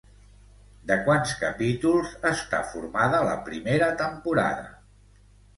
De quants capítols està formada la primera temporada?